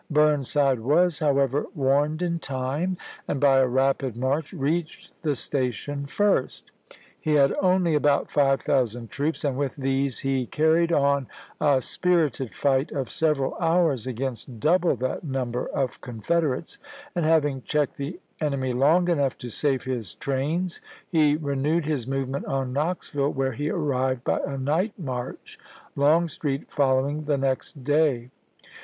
Burn side was, however, warned in time, and by a rapid march reached the Station first. He had only about five thousand troops, and with these he car ried on a spirited fight of several hours against double that number of Confederates; and having checked the enemy long enough to save his trains, he renewed his movement on Knoxville, where he arrived by a night march, Longstreet following the next day.